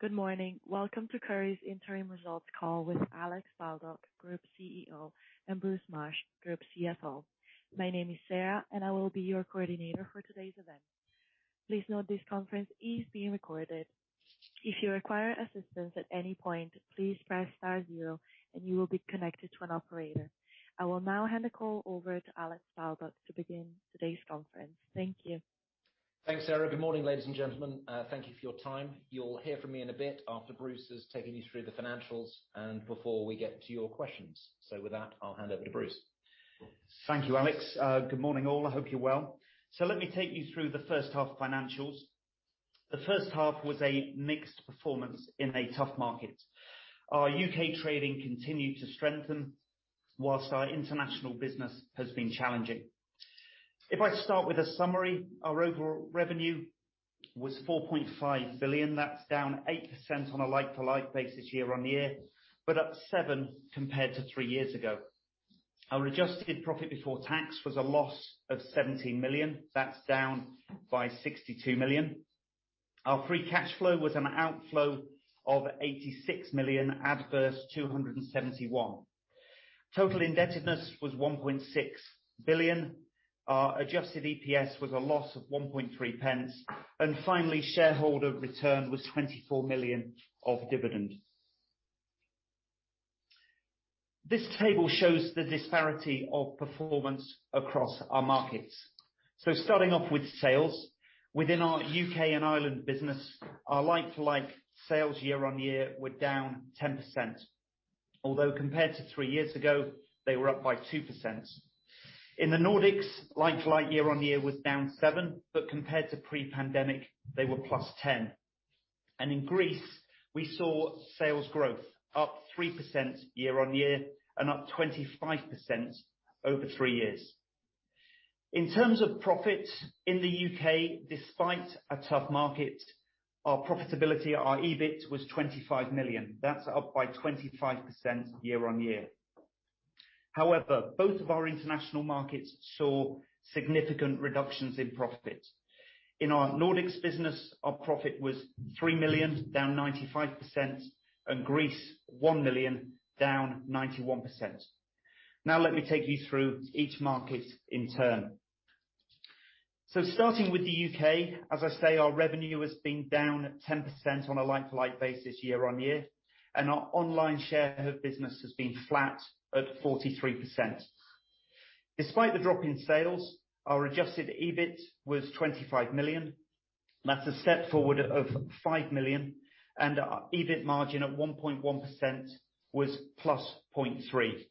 Good morning. Welcome to Currys interim results call with Alex Baldock, Group CEO, and Bruce Marsh, Group CFO. My name is Sarah. I will be your coordinator for today's event. Please note this conference is being recorded. If you require assistance at any point, please press star zero and you will be connected to an operator. I will now hand the call over to Alex Baldock to begin today's conference. Thank you. Thanks, Sarah. Good morning, ladies and gentlemen. Thank you for your time. You'll hear from me in a bit after Bruce has taken you through the financials and before we get to your questions. With that, I'll hand over to Bruce. Thank you, Alex. Good morning, all. I hope you're well. Let me take you through the first half financials. The first half was a mixed performance in a tough market. Our U.K. trading continued to strengthen, whilst our international business has been challenging. If I start with a summary, our overall revenue was 4.5 billion. That's down 8% on a like-for-like basis year-on-year, but up 7% compared to three years ago. Our adjusted profit before tax was a loss of 17 million. That's down by 62 million. Our free cash flow was an outflow of 86 million adverse 271 million. Total indebtedness was 1.6 billion. Our adjusted EPS was a loss of 1.3 pence. Finally, shareholder return was 24 million of dividend. This table shows the disparity of performance across our markets. Starting off with sales. Within our U.K. and Ireland business, our like-for-like sales year on year were down 10%, although compared to three years ago they were up by 2%. In the Nordics, like-for-like year on year was down 7, but compared to pre-pandemic, they were +10. In Greece, we saw sales growth up 3% year on year and up 25% over three years. In terms of profits in the U.K., despite a tough market, our profitability, our EBIT, was 25 million. That's up by 25% year on year. However, both of our international markets saw significant reductions in profits. In our Nordics business, our profit was 3 million, down 95%, and Greece 1 million, down 91%. Let me take you through each market in turn. Starting with the U.K., as I say, our revenue has been down at 10% on a like-for-like basis year on year, and our online share of business has been flat at 43%. Despite the drop in sales, our adjusted EBIT was 25 million. That's a step forward of 5 million, and our EBIT margin at 1.1% was +0.3.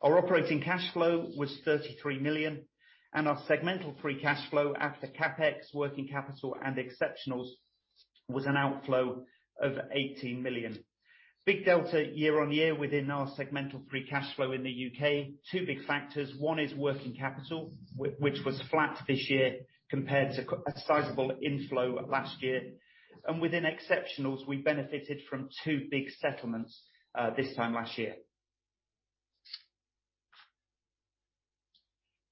Our operating cash flow was 33 million, and our segmental free cash flow after CapEx, working capital, and exceptionals was an outflow of 18 million. Big delta year on year within our segmental free cash flow in the U.K., two big factors. One is working capital, which was flat this year compared to a sizable inflow last year. Within exceptionals, we benefited from two big settlements this time last year.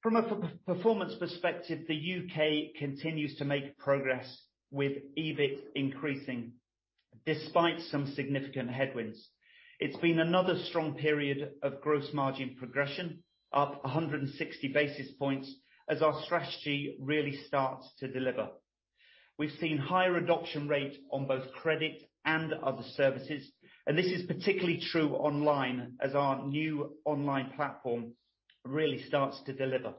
From a per-performance perspective, the UK continues to make progress with EBIT increasing despite some significant headwinds. It's been another strong period of gross margin progression, up 160 basis points as our strategy really starts to deliver. We've seen higher adoption rate on both credit and other services, and this is particularly true online as our new online platform really starts to deliver.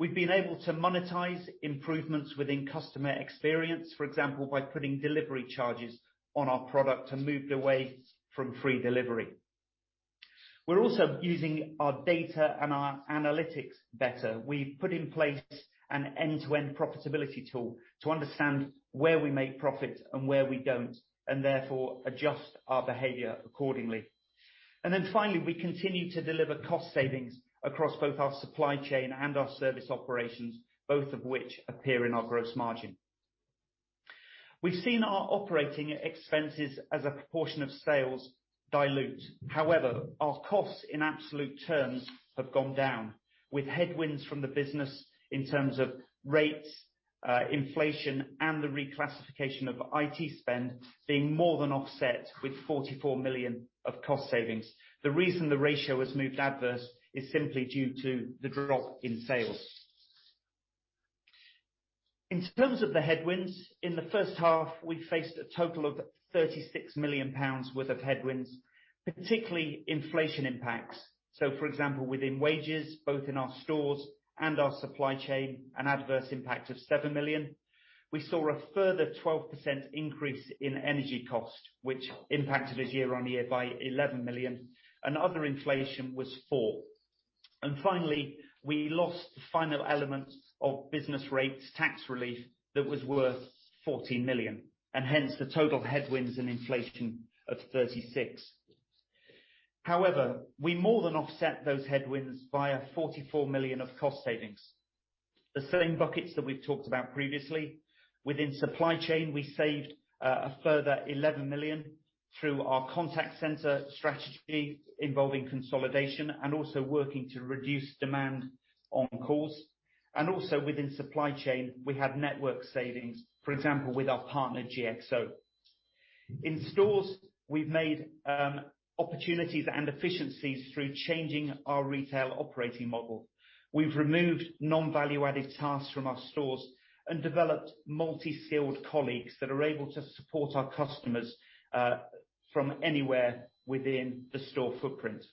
We've been able to monetize improvements within customer experience, for example, by putting delivery charges on our product and moved away from free delivery. We're also using our data and our analytics better. We've put in place an end-to-end profitability tool to understand where we make profit and where we don't, and therefore adjust our behavior accordingly. Finally, we continue to deliver cost savings across both our supply chain and our service operations, both of which appear in our gross margin. We've seen our operating expenses as a proportion of sales dilute. Our costs in absolute terms have gone down with headwinds from the business in terms of rates, inflation, and the reclassification of IT spend being more than offset with 44 million of cost savings. The reason the ratio has moved adverse is simply due to the drop in sales. In terms of the headwinds, in the first half, we faced a total of 36 million pounds worth of headwinds, particularly inflation impacts. For example, within wages, both in our stores and our supply chain, an adverse impact of 7 million. We saw a further 12% increase in energy costs, which impacted us year-on-year by 11 million, and other inflation was 4 million. Finally, we lost the final element of business rates tax relief that was worth 14 million, and hence the total headwinds and inflation of 36 million. However, we more than offset those headwinds via 44 million of cost savings. The same buckets that we've talked about previously. Within supply chain, we saved a further 11 million through our contact center strategy involving consolidation and also working to reduce demand on calls. Also within supply chain, we had network savings, for example, with our partner GXO. In stores, we've made opportunities and efficiencies through changing our retail operating model. We've removed non-value added tasks from our stores and developed multi-skilled colleagues that are able to support our customers from anywhere within the store footprint.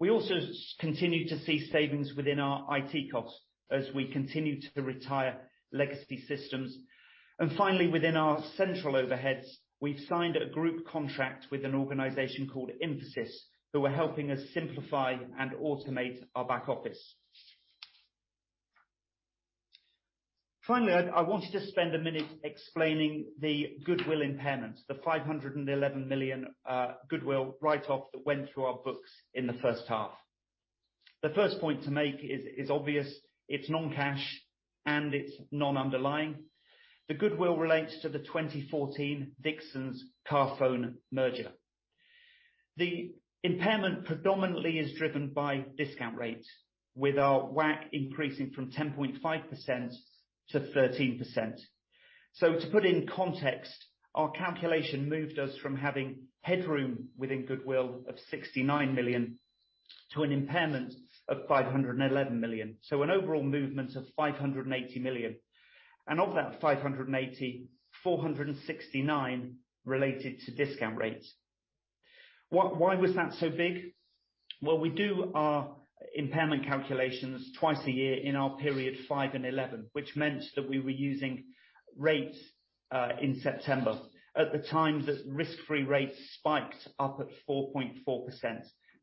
We also continue to see savings within our IT costs as we continue to retire legacy systems. Finally, within our central overheads, we've signed a group contract with an organization called Mphasis, who are helping us simplify and automate our back office. Finally, I wanted to spend a minute explaining the goodwill impairment, the 511 million goodwill write-off that went through our books in the first half. The first point to make is obvious. It's non-cash and it's non-underlying. The goodwill relates to the 2014 Dixons Carphone merger. The impairment predominantly is driven by discount rates, with our WACC increasing from 10.5% to 13%. To put in context, our calculation moved us from having headroom within goodwill of 69 million to an impairment of 511 million. An overall movement of 580 million. Of that 580, 469 related to discount rates. Why was that so big? Well, we do our impairment calculations two a year in our period five and 11, which meant that we were using rates in September. At the time that risk-free rates spiked up at 4.4%,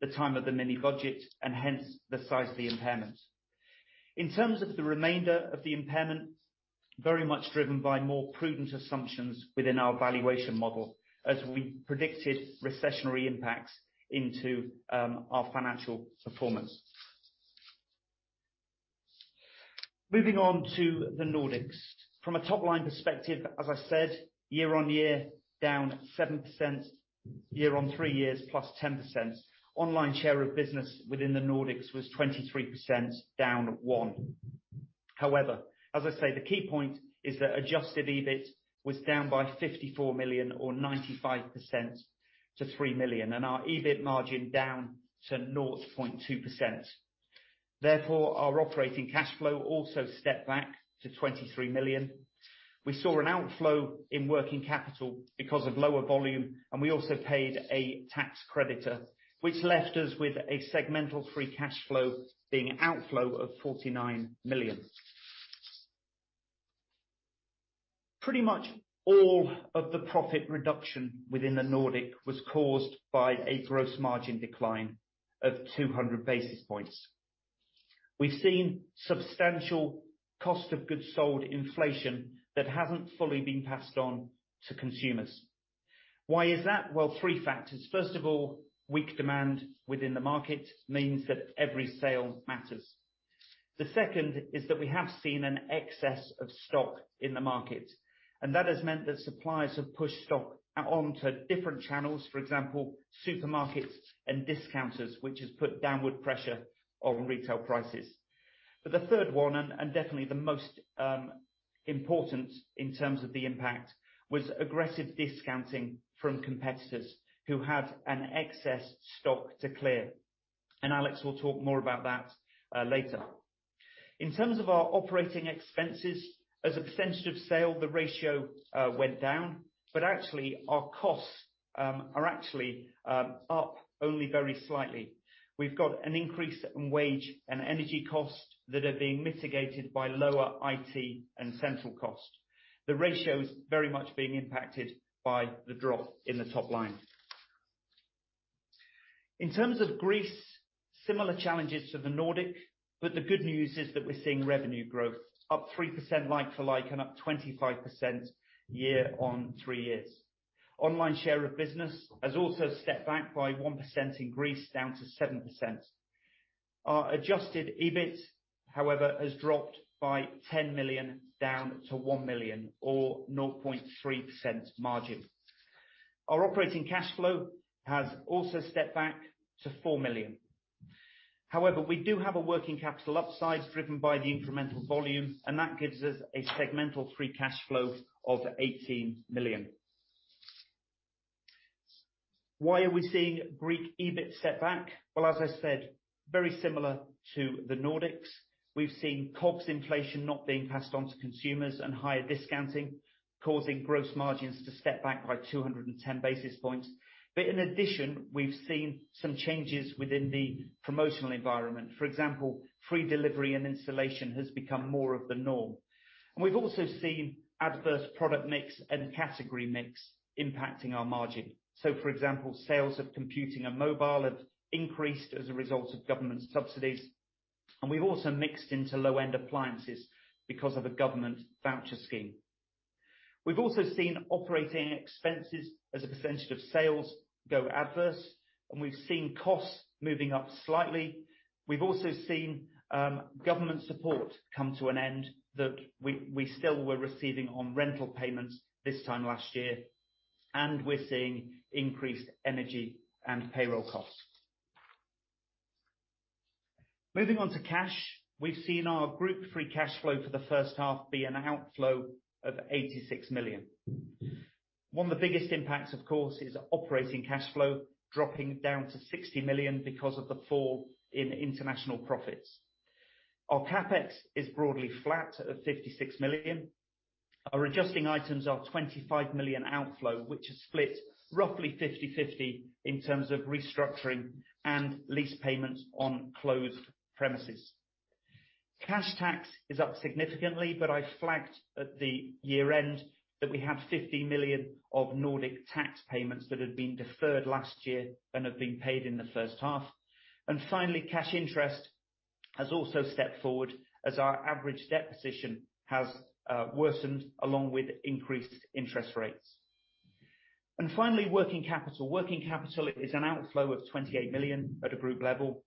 the time of the mini budget, and hence the size of the impairment. In terms of the remainder of the impairment, very much driven by more prudent assumptions within our valuation model as we predicted recessionary impacts into our financial performance. Moving on to the Nordics. From a top-line perspective, as I said, year-over-year, down 7%. Year on three years, +10%. Online share of business within the Nordics was 23%, down 1. As I say, the key point is that adjusted EBIT was down by 54 million or 95% to 3 million, and our EBIT margin down to 0.2%. Our operating cash flow also stepped back to 23 million. We saw an outflow in working capital because of lower volume, and we also paid a tax creditor, which left us with a segmental free cash flow being outflow of 49 million. Pretty much all of the profit reduction within the Nordic was caused by a gross margin decline of 200 basis points. We've seen substantial cost of goods sold inflation that hasn't fully been passed on to consumers. Why is that? Well, three factors. First of all, weak demand within the market means that every sale matters. The second is that we have seen an excess of stock in the market, and that has meant that suppliers have pushed stock on to different channels, for example, supermarkets and discounters, which has put downward pressure on retail prices. The third one, and definitely the most important in terms of the impact, was aggressive discounting from competitors who had an excess stock to clear, and Alex will talk more about that later. In terms of our operating expenses, as a percentage of sale, the ratio went down, but actually our costs are actually up only very slightly. We've got an increase in wage and energy costs that are being mitigated by lower IT and central cost. The ratio is very much being impacted by the drop in the top line. In terms of Greece, similar challenges to the Nordics, the good news is that we're seeing revenue growth up 3% like-for-like, and up 25% year on three years. Online share of business has also stepped back by 1% in Greece, down to 7%. Our adjusted EBIT, however, has dropped by 10 million, down to 1 million or 0.3% margin. Our operating cash flow has also stepped back to 4 million. We do have a working capital upside driven by the incremental volume, and that gives us a segmental free cash flow of 18 million. Why are we seeing Greek EBIT step back? Well, as I said, very similar to the Nordics. We've seen COGS inflation not being passed on to consumers and higher discounting, causing gross margins to step back by 210 basis points. In addition, we've seen some changes within the promotional environment. For example, free delivery and installation has become more of the norm. We've also seen adverse product mix and category mix impacting our margin. For example, sales of computing and mobile have increased as a result of government subsidies. We've also mixed into low-end appliances because of a government voucher scheme. We've also seen operating expenses as a percentage of sales go adverse. We've seen costs moving up slightly. We've also seen government support come to an end that we still were receiving on rental payments this time last year. We're seeing increased energy and payroll costs. Moving on to cash. We've seen our Group free cash flow for the first half be an outflow of 86 million. One of the biggest impacts, of course, is operating cash flow dropping down to 60 million because of the fall in international profits. Our CapEx is broadly flat at 56 million. Our adjusting items are 25 million outflow, which is split roughly 50/50 in terms of restructuring and lease payments on closed premises. Cash tax is up significantly. I flagged at the year end that we have 50 million of Nordic tax payments that had been deferred last year and have been paid in the first half. Finally, cash interest has also stepped forward as our average debt position has worsened along with increased interest rates. Finally, working capital. Working capital is an outflow of 28 million at a group level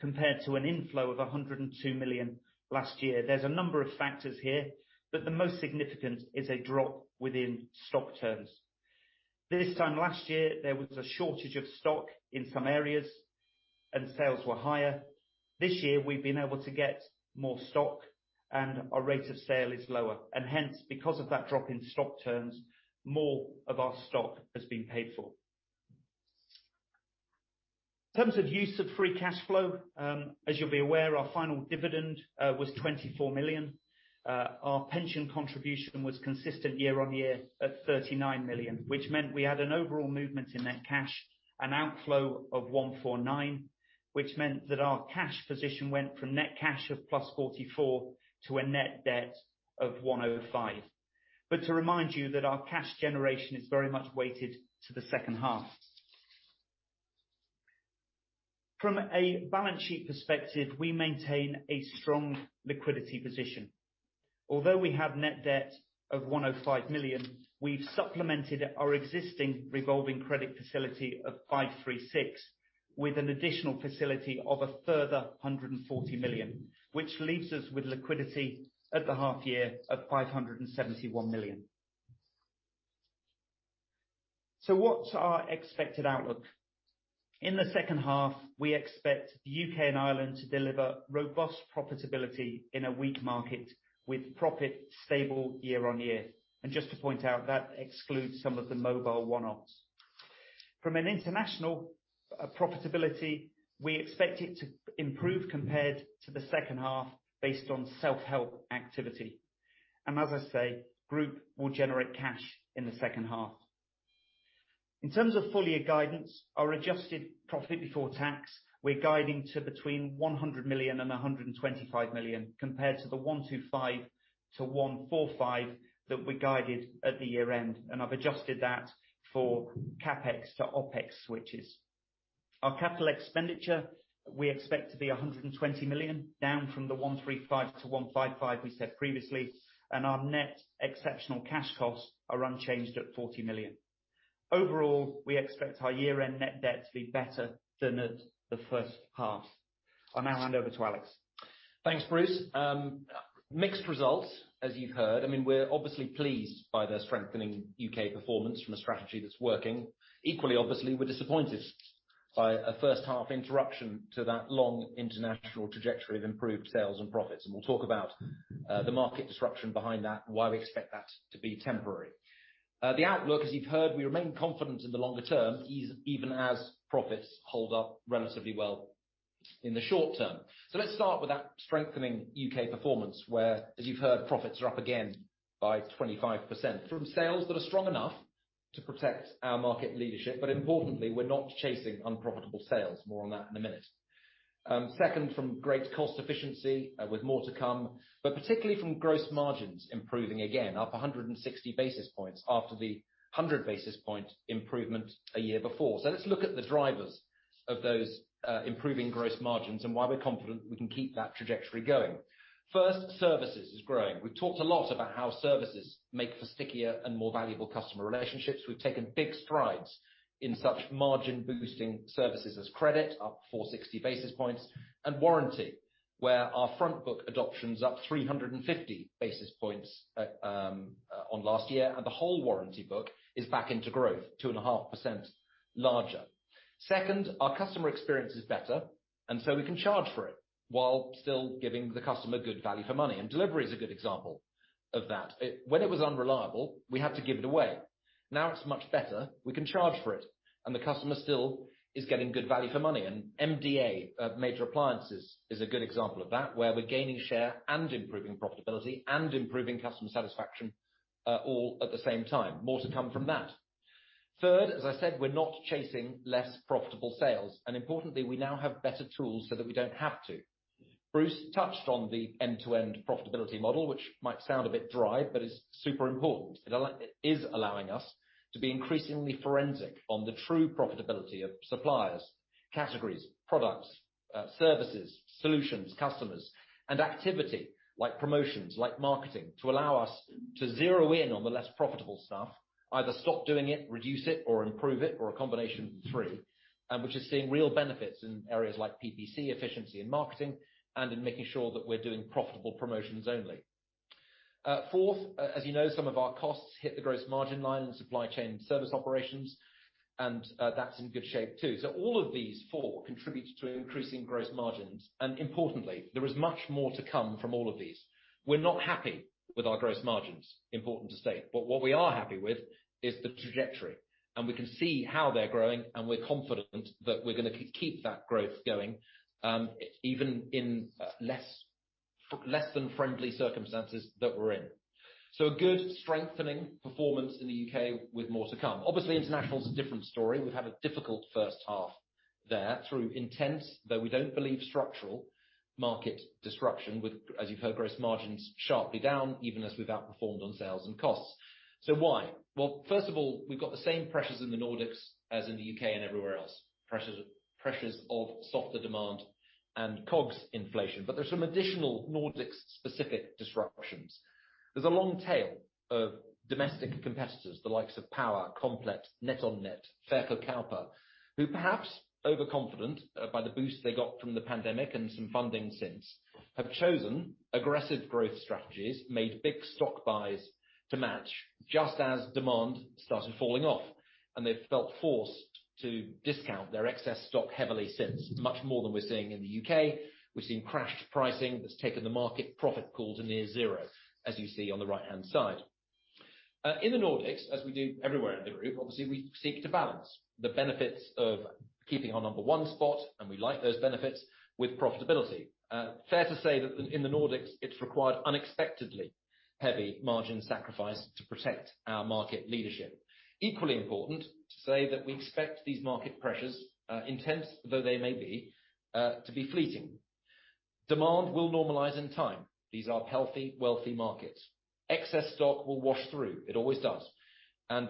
compared to an inflow of 102 million last year. There's a number of factors here, the most significant is a drop within stock turns. This time last year, there was a shortage of stock in some areas and sales were higher. This year we've been able to get more stock and our rate of sale is lower and hence, because of that drop in stock turns, more of our stock has been paid for. In terms of use of free cash flow, as you'll be aware, our final dividend was 24 million. Our pension contribution was consistent year-on-year at 39 million, which meant we had an overall movement in net cash, an outflow of 149 million, which meant that our cash position went from net cash of +44 million to a net debt of 105 million. To remind you that our cash generation is very much weighted to the second half. From a balance sheet perspective, we maintain a strong liquidity position. Although we have net debt of 105 million, we've supplemented our existing revolving credit facility of 536 million with an additional facility of a further 140 million, which leaves us with liquidity at the half year of 571 million. What's our expected outlook? In the second half, we expect UK and Ireland to deliver robust profitability in a weak market with profit stable year-on-year. Just to point out, that excludes some of the mobile one-offs. From an international profitability, we expect it to improve compared to the second half based on self-help activity. As I say, Group will generate cash in the second half. In terms of full year guidance, our adjusted profit before tax, we're guiding to between 100 million and 125 million compared to the 125 million-145 million that we guided at the year-end. I've adjusted that for CapEx to OpEx switches. Our capital expenditure we expect to be 120 million, down from the 135 million-155 million we said previously, and our net exceptional cash costs are unchanged at 40 million. Overall, we expect our year-end net debt to be better than at the first half. I'll now hand over to Alex. Thanks, Bruce. Mixed results as you've heard. I mean we're obviously pleased by the strengthening UK performance from a strategy that's working. Equally obviously, we're disappointed by a first half interruption to that long international trajectory of improved sales and profits. We'll talk about the market disruption behind that and why we expect that to be temporary. The outlook, as you've heard, we remain confident in the longer term, even as profits hold up relatively well in the short term. Let's start with that strengthening UK performance where, as you've heard, profits are up again by 25% from sales that are strong enough to protect our market leadership. Importantly, we're not chasing unprofitable sales. More on that in a minute. Second, from great cost efficiency with more to come, but particularly from gross margins improving again, up 160 basis points after the 100 basis point improvement a year before. Let's look at the drivers of those improving gross margins and why we're confident we can keep that trajectory going. First, services is growing. We've talked a lot about how services make for stickier and more valuable customer relationships. We've taken big strides in such margin boosting services as credit up 460 basis points and warranty, where our front book adoption's up 350 basis points at on last year, and the whole warranty book is back into growth 2.5% larger. Second, our customer experience is better and so we can charge for it while still giving the customer good value for money. Delivery is a good example of that. When it was unreliable, we had to give it away. Now it's much better, we can charge for it and the customer still is getting good value for money. MDA, Major Appliances, is a good example of that, where we're gaining share and improving profitability and improving customer satisfaction all at the same time. More to come from that. Third, as I said, we're not chasing less profitable sales. Importantly, we now have better tools so that we don't have to. Bruce touched on the end-to-end profitability model, which might sound a bit dry, but is super important. It is allowing us to be increasingly forensic on the true profitability of suppliers, categories, products, services, solutions, customers, and activity, like promotions, like marketing, to allow us to zero in on the less profitable stuff. Either stop doing it, reduce it, or improve it, or a combination of the three, which is seeing real benefits in areas like PPC efficiency in marketing and in making sure that we're doing profitable promotions only. Fourth, as you know, some of our costs hit the gross margin line and supply chain service operations, and that's in good shape too. All of these four contribute to increasing gross margins. Importantly, there is much more to come from all of these. We're not happy with our gross margins, important to state, but what we are happy with is the trajectory. We can see how they're growing, and we're confident that we're gonna keep that growth going, even in less than friendly circumstances that we're in. A good strengthening performance in the UK with more to come. International is a different story. We've had a difficult first half there through intense, though we don't believe structural market disruption, with, as you've heard, gross margins sharply down even as we've outperformed on sales and costs. Why? Well, first of all, we've got the same pressures in the Nordics as in the UK and everywhere else, pressures of softer demand and COGS inflation. There's some additional Nordic specific disruptions. There's a long tail of domestic competitors, the likes of Power, Komplett, NetOnNet, Fjarkaup, who perhaps overconfident by the boost they got from the pandemic and some funding since have chosen aggressive growth strategies, made big stock buys to match just as demand started falling off. They've felt forced to discount their excess stock heavily since. Much more than we're seeing in the UK. We've seen crashed pricing that's taken the market profit pool to near zero, as you see on the right-hand side. In the Nordics, as we do everywhere in the group, obviously, we seek to balance the benefits of keeping our number one spot, and we like those benefits, with profitability. Fair to say that in the Nordics, it's required unexpectedly heavy margin sacrifice to protect our market leadership. Equally important to say that we expect these market pressures, intense though they may be, to be fleeting. Demand will normalize in time. These are healthy, wealthy markets. Excess stock will wash through. It always does.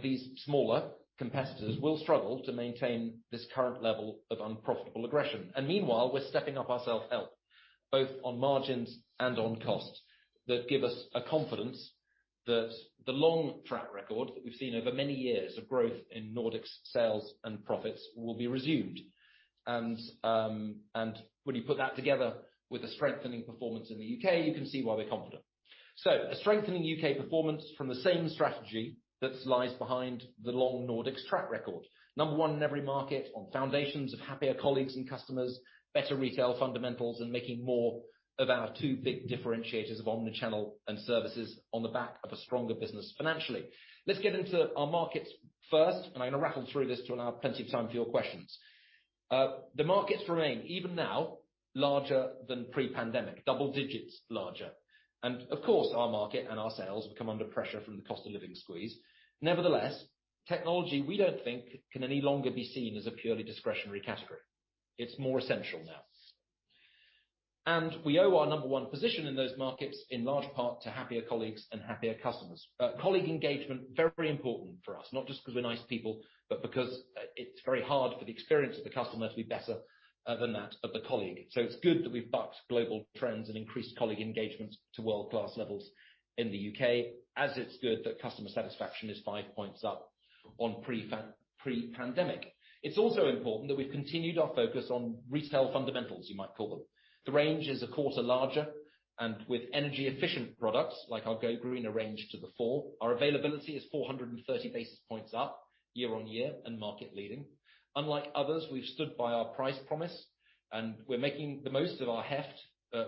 These smaller competitors will struggle to maintain this current level of unprofitable aggression. Meanwhile, we're stepping up our self-help, both on margins and on costs that give us a confidence that the long track record that we've seen over many years of growth in Nordics sales and profits will be resumed. When you put that together with a strengthening performance in the U.K., you can see why we're confident. A strengthening U.K. performance from the same strategy that lies behind the long Nordics track record. Number one in every market on foundations of happier colleagues and customers, better retail fundamentals, and making more of our two big differentiators of omnichannel and services on the back of a stronger business financially. Let's get into our markets first. I'm gonna rattle through this to allow plenty of time for your questions. The markets remain, even now, larger than pre-pandemic, double digits larger. Of course, our market and our sales have come under pressure from the cost of living squeeze. Nevertheless, technology we don't think can any longer be seen as a purely discretionary category. It's more essential now. We owe our number one position in those markets in large part to happier colleagues and happier customers. Colleague engagement, very important for us, not just 'cause we're nice people, but because it's very hard for the experience of the customer to be better than that of the colleague. It's good that we've bucked global trends and increased colleague engagements to world-class levels in the UK, as it's good that customer satisfaction is five points up on pre-pandemic. It's also important that we've continued our focus on retail fundamentals, you might call them. The range is of course larger and with energy efficient products like our Go Greener range to the full. Our availability is 430 basis points up year on year and market leading. Unlike others, we've stood by our price promise. We're making the most of our heft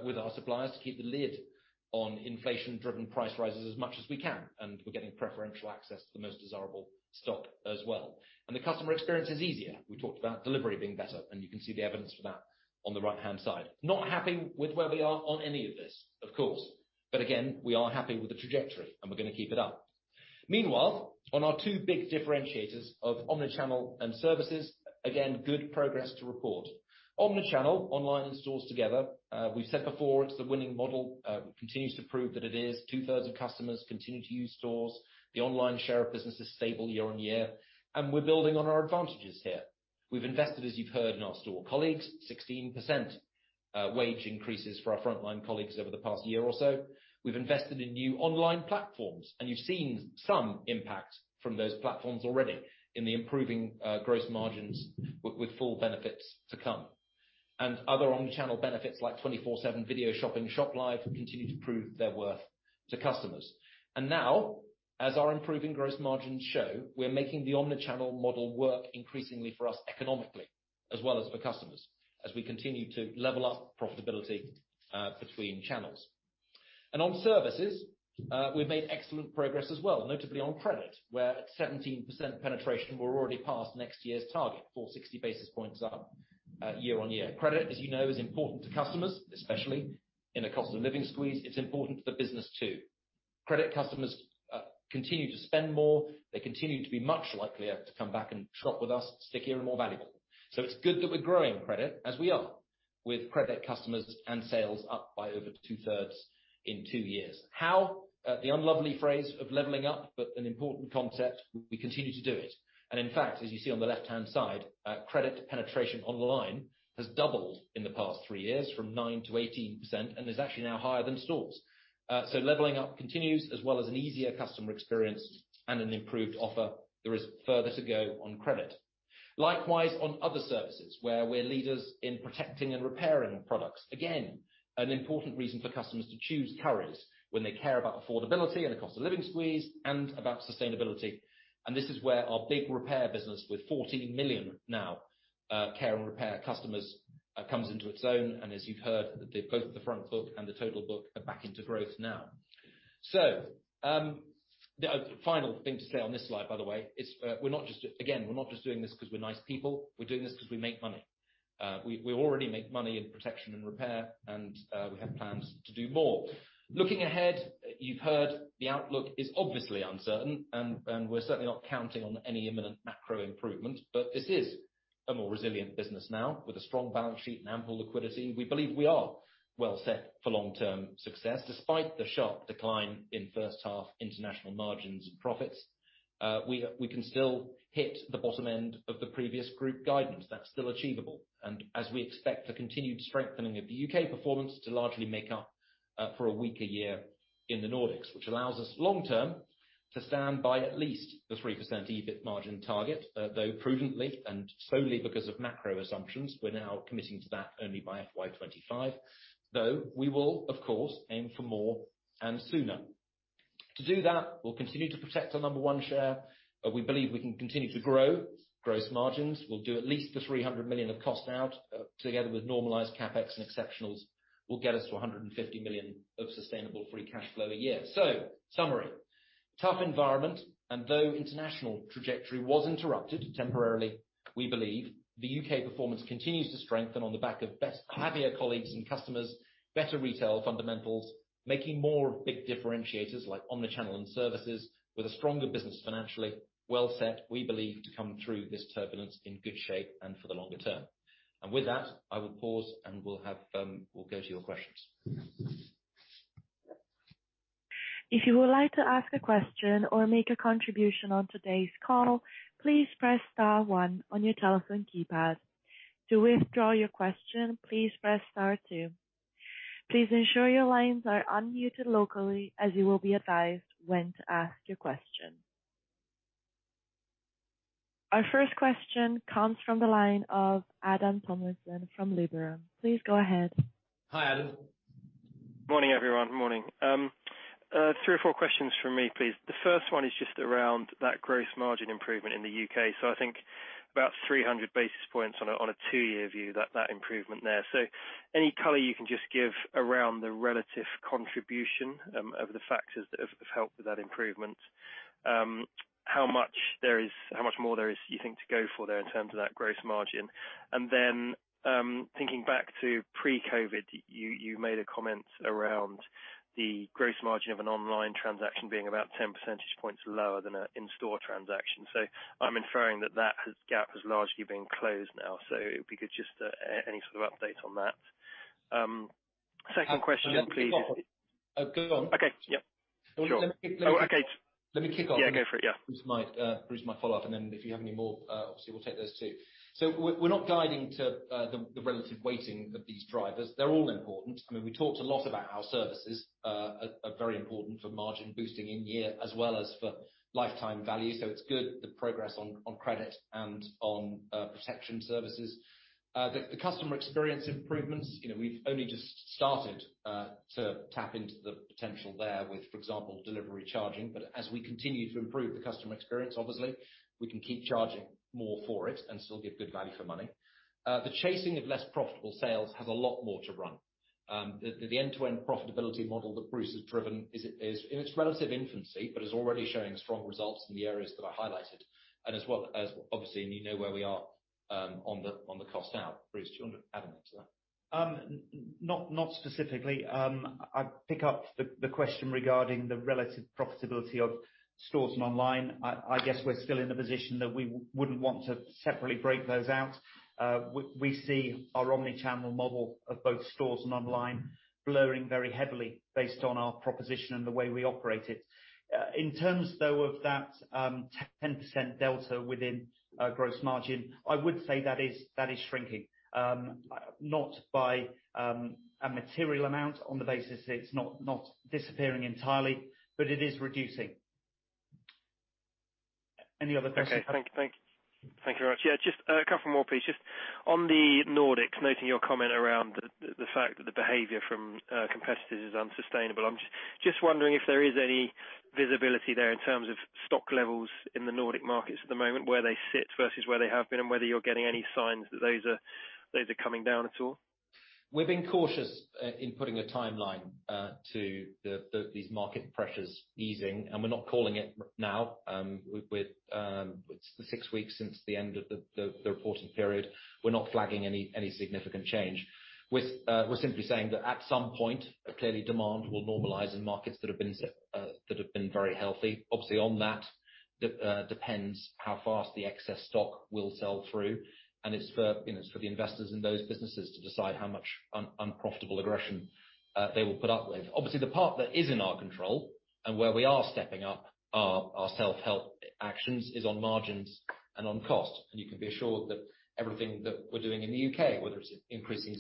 with our suppliers to keep the lid on inflation driven price rises as much as we can. We're getting preferential access to the most desirable stock as well. The customer experience is easier. We talked about delivery being better, and you can see the evidence for that on the right-hand side. Not happy with where we are on any of this, of course. Again, we are happy with the trajectory, and we're gonna keep it up. Meanwhile, on our two big differentiators of omnichannel and services, again, good progress to report. Omnichannel, online and stores together, we've said before it's the winning model. It continues to prove that it is. Two-thirds of customers continue to use stores. The online share of business is stable year-over-year, and we're building on our advantages here. We've invested, as you've heard, in our store colleagues, 16% wage increases for our frontline colleagues over the past year or so. We've invested in new online platforms, and you've seen some impact from those platforms already in the improving gross margins with full benefits to come. Other Omnichannel benefits like 24/7 video shopping, ShopLive, continue to prove their worth to customers. Now, as our improving gross margins show, we're making the Omnichannel model work increasingly for us economically as well as for customers as we continue to level up profitability between channels. On services, we've made excellent progress as well, notably on credit, where at 17% penetration, we're already past next year's target, 460 basis points up year-on-year. Credit, as you know, is important to customers, especially in a cost of living squeeze. It's important for the business too. Credit customers continue to spend more. They continue to be much likelier to come back and shop with us, stickier and more valuable. It's good that we're growing credit as we are with credit customers and sales up by over two-thirds in two years. How? The unlovely phrase of leveling up, an important concept, we continue to do it. In fact, as you see on the left-hand side, credit penetration online has doubled in the past three years from 9% to 18% and is actually now higher than stores. Leveling up continues, as well as an easier customer experience and an improved offer. There is further to go on credit. Likewise, on other services where we're leaders in protecting and repairing products. An important reason for customers to choose Currys when they care about affordability and the cost of living squeeze and about sustainability. This is where our big repair business with 14 million now care and repair customers comes into its own. As you've heard, both the front book and the total book are back into growth now. The final thing to say on this slide, by the way, is we're not just doing this because we're nice people, we're doing this because we make money. We already make money in protection and repair, and we have plans to do more. Looking ahead, you've heard the outlook is obviously uncertain and we're certainly not counting on any imminent macro improvement. This is a more resilient business now with a strong balance sheet and ample liquidity. We believe we are well set for long-term success despite the sharp decline in first half international margins and profits. We can still hit the bottom end of the previous group guidance. That's still achievable. As we expect the continued strengthening of the UK performance to largely make up for a weaker year in the Nordics, which allows us long term to stand by at least the 3% EBIT margin target, though prudently and solely because of macro assumptions, we're now committing to that only by FY 2025, though we will of course aim for more and sooner. To do that, we'll continue to protect our number one share. We believe we can continue to grow gross margins. We'll do at least the 300 million of cost out, together with normalized CapEx and exceptionals will get us to 150 million of sustainable free cash flow a year. Summary. Tough environment, though international trajectory was interrupted temporarily, we believe the UK performance continues to strengthen on the back of best, happier colleagues and customers, better retail fundamentals, making more big differentiators like omnichannel and services with a stronger business financially, well set, we believe to come through this turbulence in good shape and for the longer term. With that, I will pause and we'll go to your questions. If you would like to ask a question or make a contribution on today's call, please press star one on your telephone keypad. To withdraw your question, please press star two. Please ensure your lines are unmuted locally as you will be advised when to ask your question. Our first question comes from the line of Adam Tomlinson from Liberum. Please go ahead. Hi, Adam. Morning, everyone. Morning. three or four questions from me, please. The first one is just around that gross margin improvement in the UK. I think about 300 basis points on a two year view that improvement there. Any color you can just give around the relative contribution of the factors that have helped with that improvement, how much there is, how much more there is you think to go for there in terms of that gross margin? Thinking back to pre-COVID, you made a comment around the gross margin of an online transaction being about 10 percentage points lower than an in-store transaction. I'm inferring that gap has largely been closed now. If you could just any sort of update on that. Second question, please. Go on. Okay. Yeah, sure. Let me kick off. Okay. Let me kick off. Yeah, go for it. Yeah. Bruce might follow up, and then if you have any more, obviously we'll take those too. We're not guiding to the relative weighting of these drivers. They're all important. I mean, we talked a lot about how services are very important for margin boosting in year as well as for lifetime value. It's good the progress on credit and on protection services. The customer experience improvements, you know, we've only just started to tap into the potential there with, for example, delivery charging. As we continue to improve the customer experience, obviously we can keep charging more for it and still give good value for money. The chasing of less profitable sales has a lot more to run. The end-to-end profitability model that Bruce has driven is in its relative infancy, but is already showing strong results in the areas that I highlighted. As well as obviously, you know where we are on the cost out. Bruce, do you want to add anything to that? Not specifically. I pick up the question regarding the relative profitability of stores and online. I guess we're still in the position that we wouldn't want to separately break those out. We see our omnichannel model of both stores and online blurring very heavily based on our proposition and the way we operate it. In terms though of that, 10% delta within gross margin, I would say that is shrinking. Not by, a material amount on the basis it's not disappearing entirely, but it is reducing. Any other questions? Okay. Thank you very much. Yeah, just a couple more, please. Just on the Nordics, noting your comment around the fact that the behavior from competitors is unsustainable. I'm just wondering if there is any visibility there in terms of stock levels in the Nordic markets at the moment, where they sit versus where they have been, and whether you're getting any signs that those are coming down at all? We've been cautious in putting a timeline to the reporting period. We're not flagging any significant change. We're simply saying that at some point, clearly demand will normalize in markets that have been very healthy. Obviously, on that depends how fast the excess stock will sell through, and it's for, you know, it's for the investors in those businesses to decide how much unprofitable aggression they will put up with. Obviously, the part that is in our control and where we are stepping up our self-help actions is on margins and on cost. You can be assured that everything that we're doing in the UK, whether it's increasing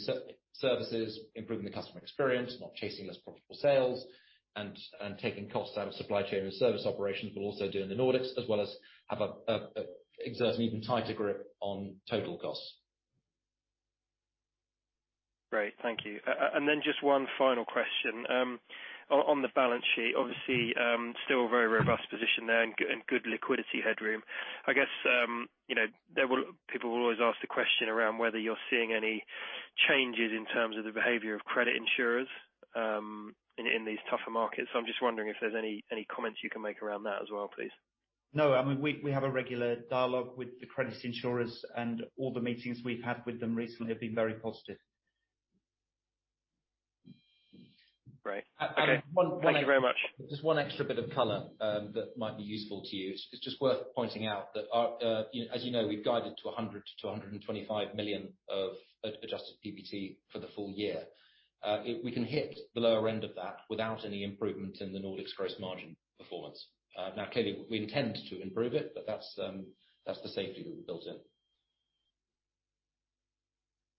services, improving the customer experience, not chasing less profitable sales, and taking costs out of supply chain and service operations, we'll also do in the Nordics as well as exerting even tighter grip on total costs. Great. Thank you. Then just one final question. On the balance sheet, obviously, still very robust position there and good liquidity headroom. I guess, you know, people will always ask the question around whether you're seeing any changes in terms of the behavior of credit insurers, in these tougher markets. I'm just wondering if there's any comments you can make around that as well, please. No, I mean, we have a regular dialogue with the credit insurers, and all the meetings we've had with them recently have been very positive. Great. And one- Thank you very much. Just one extra bit of color, that might be useful to you. It's just worth pointing out that our, as you know, we've guided to 100 million-225 million of adjusted PBT for the full year. We can hit the lower end of that without any improvement in the Nordics gross margin performance. Now clearly, we intend to improve it, but that's the safety that we built in.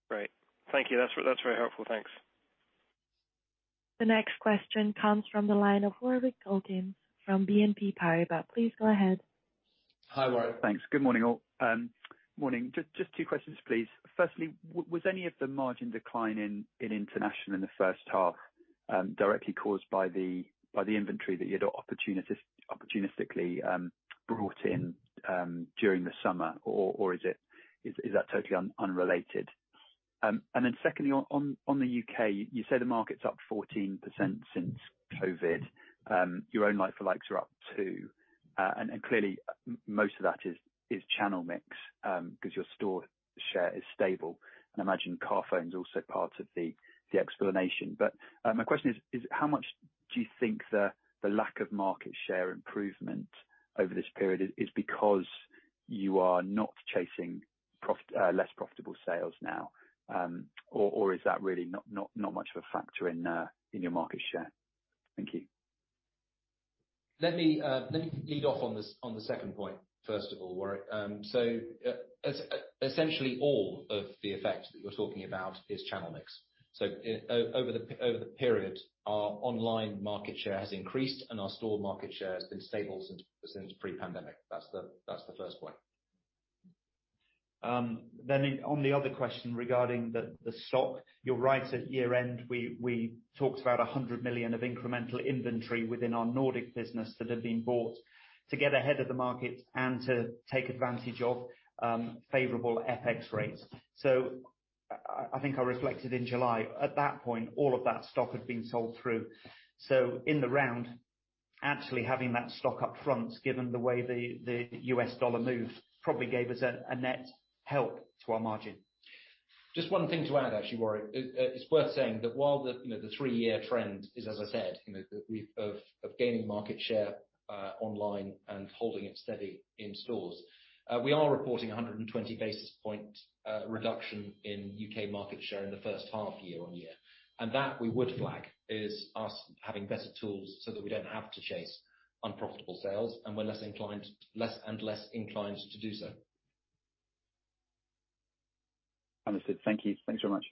Great. Thank you. That's very helpful. Thanks. The next question comes from the line of Warwick Okines from BNP Paribas. Please go ahead. Hi, Warwick. Thanks. Good morning all. Morning. Just two questions, please. Firstly, was any of the margin decline in international in the first half directly caused by the inventory that you had opportunistically brought in during the summer, or is it that totally unrelated? Secondly, on the UK, you say the market's up 14% since COVID. Your own like-for-likes are up too, and clearly most of that is channel mix, 'cause your store share is stable. I imagine Carphone's also part of the explanation. My question is how much do you think the lack of market share improvement over this period is because you are not chasing profit, less profitable sales now, or is that really not much of a factor in your market share? Thank you. Let me lead off on the second point, first of all, Warwick. Essentially all of the effect that you're talking about is channel mix. Over the period, our online market share has increased and our store market share has been stable since pre-pandemic. That's the first point. On the other question regarding the stock, you're right. At year-end, we talked about 100 million of incremental inventory within our Nordic business that had been bought to get ahead of the market and to take advantage of favorable FX rates. I think I reflected in July, at that point, all of that stock had been sold through. In the round, actually having that stock up front, given the way the U.S. dollar moved, probably gave us a net help to our margin. Just one thing to add, actually, Warwick. It's worth saying that while the, you know, three-year trend is, as I said, you know, of gaining market share online and holding it steady in stores, we are reporting a 120 basis point reduction in UK market share in the first half year-on-year. That we would flag is us having better tools so that we don't have to chase unprofitable sales and we're less and less inclined to do so. Understood. Thank you. Thanks very much.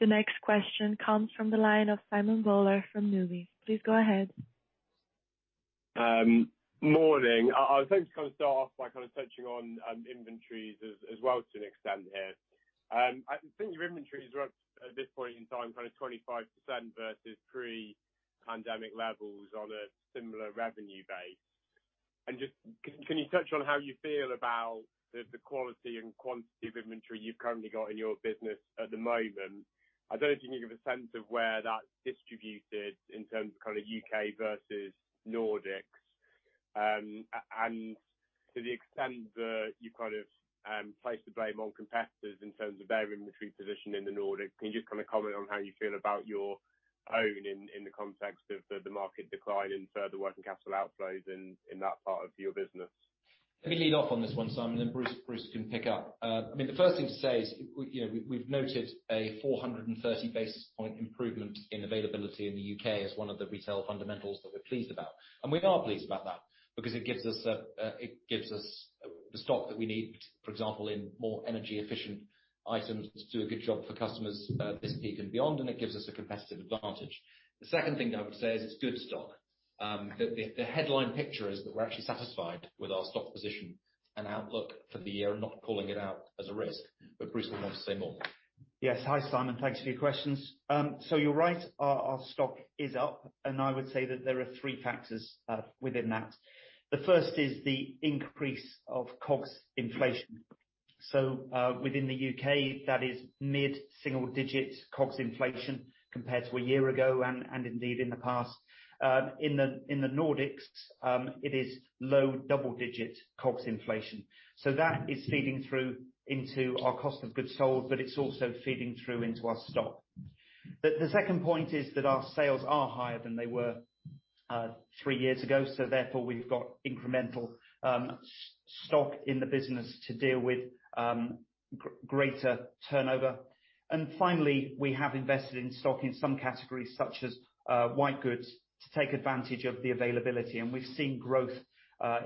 The next question comes from the line of Simon Bowler from Numis. Please go ahead. Morning. I was going to kind of start off by kind of touching on inventories as well to an extent here. I think your inventories are up at this point in time kind of 25% versus pre-pandemic levels on a similar revenue base. Just can you touch on how you feel about the quality and quantity of inventory you've currently got in your business at the moment? I don't know if you can give a sense of where that's distributed in terms of kind of UK versus Nordics. To the extent that you kind of place the blame on competitors in terms of their inventory position in the Nordic, can you just kinda comment on how you feel about your own in the context of the market decline in further working capital outflows in that part of your business? Let me lead off on this one, Simon, then Bruce can pick up. I mean, the first thing to say is, you know, we've noted a 430 basis point improvement in availability in the UK as one of the retail fundamentals that we're pleased about. We are pleased about that because it gives us the stock that we need, for example, in more energy efficient items to do a good job for customers this peak and beyond, and it gives us a competitive advantage. The second thing that I would say is it's good stock. The headline picture is that we're actually satisfied with our stock position and outlook for the year, and not calling it out as a risk. Bruce will want to say more. Yes. Hi, Simon. Thanks for your questions. You're right. Our stock is up, and I would say that there are three factors within that. The first is the increase of COGS inflation. Within the UK, that is mid-single digit COGS inflation compared to a year ago and indeed in the past. In the Nordics, it is low double-digit COGS inflation. That is feeding through into our cost of goods sold, but it's also feeding through into our stock. The second point is that our sales are higher than they were three years ago, therefore, we've got incremental stock in the business to deal with greater turnover. Finally, we have invested in stock in some categories such as white goods to take advantage of the availability, and we've seen growth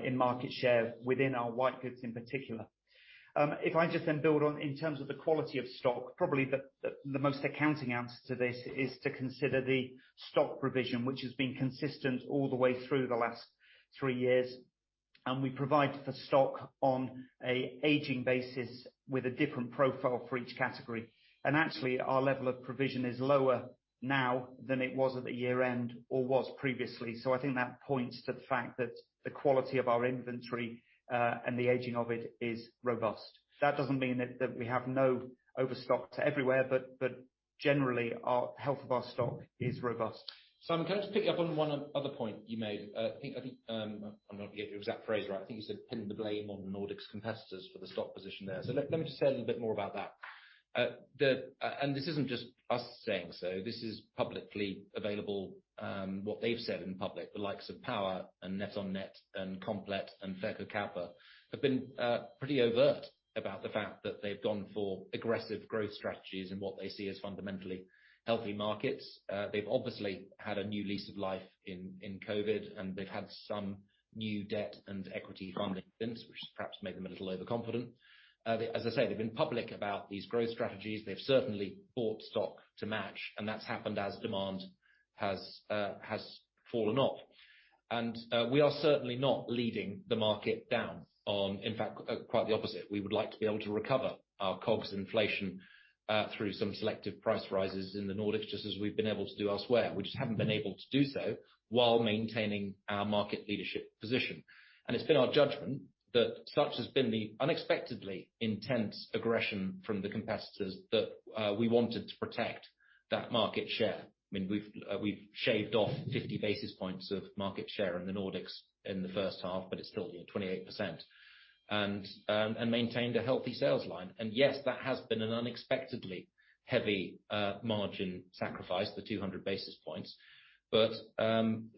in market share within our white goods in particular. If I just then build on in terms of the quality of stock, probably the most accounting answer to this is to consider the stock provision, which has been consistent all the way through the last three years. We provide for stock on a aging basis with a different profile for each category. Actually, our level of provision is lower now than it was at the year-end or was previously. I think that points to the fact that the quality of our inventory and the aging of it is robust. That doesn't mean that we have no overstock to everywhere, but generally our health of our stock is robust. Simon, can I just pick you up on one other point you made. I think I'm not going to get your exact phrase right. I think you said pin the blame on the Nordics competitors for the stock position there. Let me just say a little bit more about that. This isn't just us saying so, this is publicly available, what they've said in public. The likes of Power and NetOnNet and Komplett and Verkkokauppa have been pretty overt about the fact that they've gone for aggressive growth strategies in what they see as fundamentally healthy markets. They've obviously had a new lease of life in COVID, and they've had some new debt and equity fundings, which has perhaps made them a little overconfident. As I say, they've been public about these growth strategies. They've certainly bought stock to match, that's happened as demand has fallen off. We are certainly not leading the market down. In fact, quite the opposite. We would like to be able to recover our COGS inflation through some selective price rises in the Nordics, just as we've been able to do elsewhere. We just haven't been able to do so while maintaining our market leadership position. It's been our judgment that such has been the unexpectedly intense aggression from the competitors that we wanted to protect that market share. I mean, we've shaved off 50 basis points of market share in the Nordics in the first half, but it's still, you know, 28%. Maintained a healthy sales line. Yes, that has been an unexpectedly heavy margin sacrifice, the 200 basis points.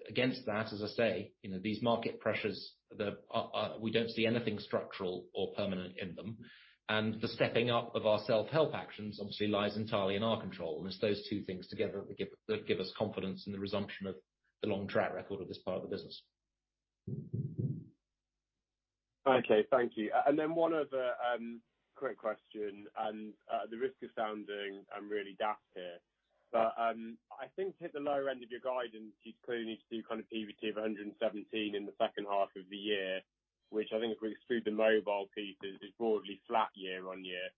Against that, as I say, you know, these market pressures we don't see anything structural or permanent in them. The stepping up of our self-help actions obviously lies entirely in our control. It's those two things together that give us confidence in the resumption of the long track record of this part of the business. Okay, thank you. Then one other quick question, at the risk of sounding really daft here. I think to hit the lower end of your guidance, you clearly need to do kind of PBT of 117 in the second half of the year, which I think if we exclude the mobile pieces, is broadly flat year-over-year.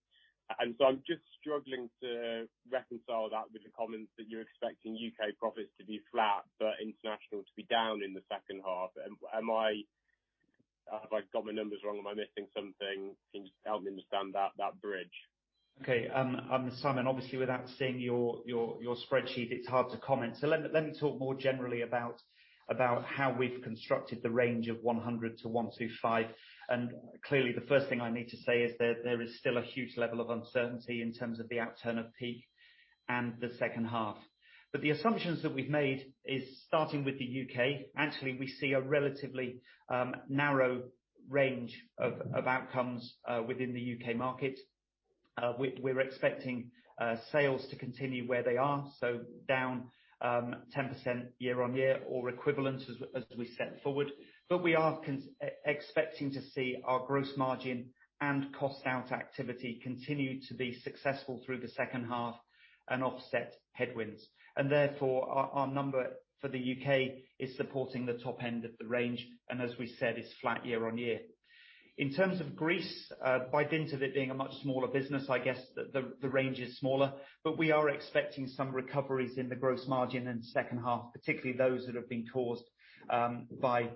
I'm just struggling to reconcile that with the comments that you're expecting UK profits to be flat, but international to be down in the second half. Have I got my numbers wrong? Am I missing something? Can you just help me understand that bridge? Okay. Simon, obviously, without seeing your spreadsheet, it's hard to comment. Let me talk more generally about how we've constructed the range of 100-125. Clearly, the first thing I need to say is there is still a huge level of uncertainty in terms of the outturn of PEAK and the second half. The assumptions that we've made is starting with the UK, actually, we see a relatively narrow range of outcomes within the UK market. We're expecting sales to continue where they are, so down 10% year-on-year or equivalent as we set forward. We are expecting to see our gross margin and cost out activity continue to be successful through the second half and offset headwinds. Therefore, our number for the UK is supporting the top end of the range, and as we said, is flat year-on-year. In terms of Greece, by dint of it being a much smaller business, I guess the range is smaller, but we are expecting some recoveries in the gross margin in the second half, particularly those that have been caused by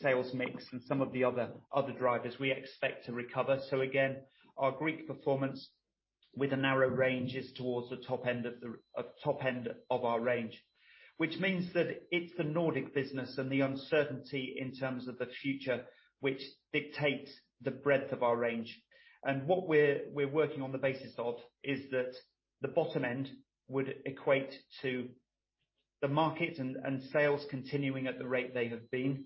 sales mix and some of the other drivers we expect to recover. Again, our Greek performance with a narrow range is towards the top end of our range. Which means that it's the Nordic business and the uncertainty in terms of the future which dictates the breadth of our range. What we're working on the basis of is that the bottom end would equate to the market and sales continuing at the rate they have been.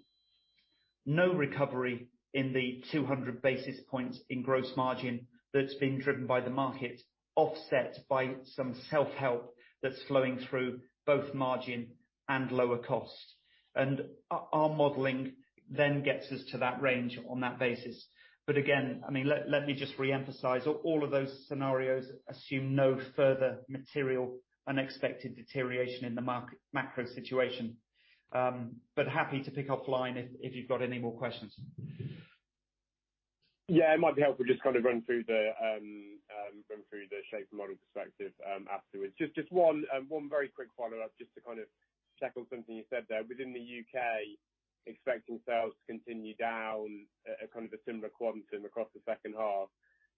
No recovery in the 200 basis points in gross margin that's been driven by the market, offset by some self-help that's flowing through both margin and lower costs. Our modeling then gets us to that range on that basis. Again, I mean, let me just reemphasize, all of those scenarios assume no further material unexpected deterioration in the macro situation. Happy to pick up line if you've got any more questions. Yeah, it might be helpful just to kind of run through the shape model perspective afterwards. Just one very quick follow-up, just to kind of check on something you said there. Within the UK, expecting sales to continue down a kind of a similar quantum across the second half.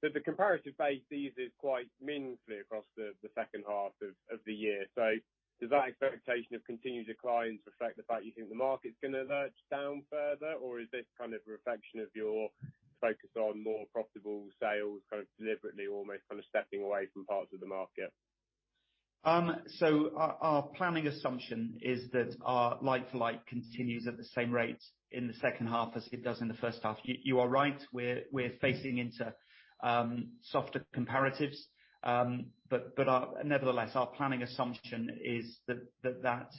The comparative base, these is quite meaningfully across the second half of the year. Does that expectation of continued declines reflect the fact you think the market's gonna lurch down further? Or is this kind of a reflection of your focus on more profitable sales, kind of deliberately almost kind of stepping away from parts of the market? Our planning assumption is that our like-for-like continues at the same rate in the second half as it does in the first half. You are right, we're facing into softer comparatives. Our, nevertheless, our planning assumption is that,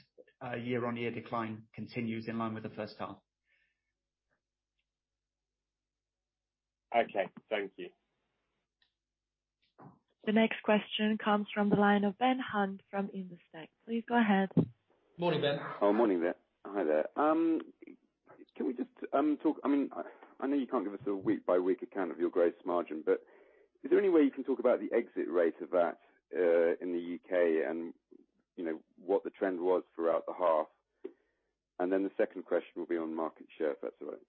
year-on-year decline continues in line with the first half. Okay. Thank you. The next question comes from the line of Ben Hunt from Investec. Please go ahead. Morning, Ben. Morning there. Hi there. Can we just talk, I mean, I know you can't give us a week by week account of your gross margin, but is there any way you can talk about the exit rate of that in the UK and, you know, what the trend was throughout the half? The second question will be on market share, if that's all right.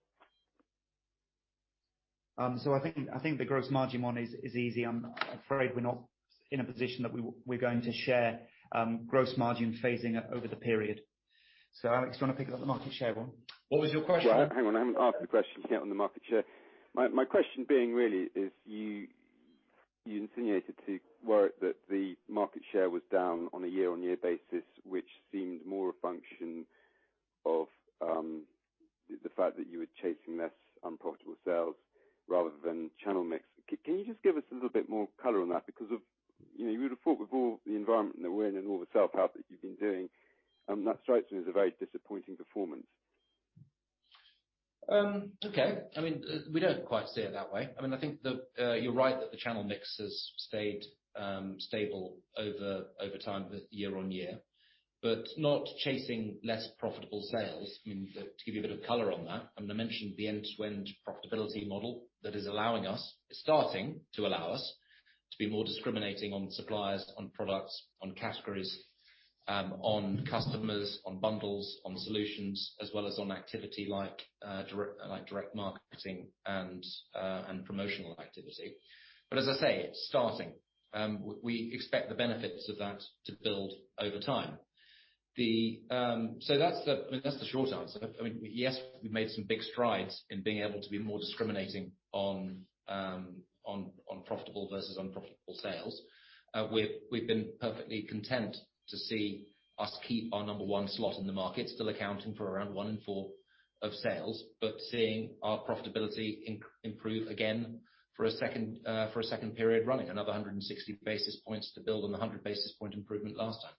I think the gross margin one is easy. I'm afraid we're not in a position that we're going to share gross margin phasing over the period. Alex, you wanna pick up the market share one? What was your question? Hang on. I haven't asked the question yet on the market share. My question being really is you insinuated that the market share was down on a year-over-year basis, which seemed more a function of the fact that you were chasing less unprofitable sales rather than channel mix. Can you just give us a little bit more color on that? Because of, you know, you would have thought with all the environment that we're in and all the self-help that you've been doing, that strikes me as a very disappointing performance. Okay. I mean, we don't quite see it that way. I mean, I think the, you're right that the channel mix has stayed stable over time with year-on-year, but not chasing less profitable sales. I mean, to give you a bit of color on that, I mean, I mentioned the end-to-end profitability model that is allowing us, is starting to allow us to be more discriminating on suppliers, on products, on categories, on customers, on bundles, on solutions, as well as on activity like direct marketing and promotional activity. As I say, it's starting. We expect the benefits of that to build over time. That's the short answer. I mean, yes, we've made some big strides in being able to be more discriminating on profitable versus unprofitable sales. We've been perfectly content to see us keep our number one slot in the market, still accounting for around one in four of sales, but seeing our profitability improve again for a second period running, another 160 basis points to build on the 100 basis point improvement last time.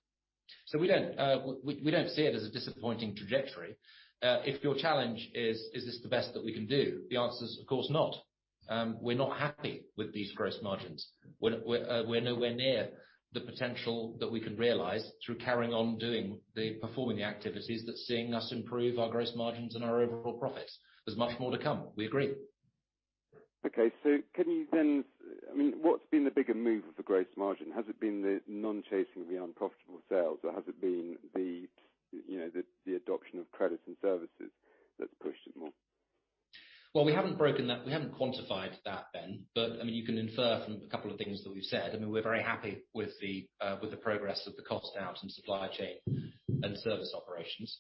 We don't see it as a disappointing trajectory. If your challenge is this the best that we can do? The answer is, of course not. We're not happy with these gross margins. We're nowhere near the potential that we can realize through carrying on performing the activities that's seeing us improve our gross margins and our overall profits. There's much more to come. We agree. I mean, what's been the bigger mover for gross margin? Has it been the non-chasing of the unprofitable sales, or has it been the, you know, the adoption of credits and services that's pushed it more? Well, we haven't broken that. We haven't quantified that, Ben. I mean, you can infer from a couple of things that we've said. I mean, we're very happy with the progress of the cost out and supply chain and service operations.